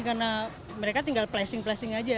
karena mereka tinggal plasing plasing aja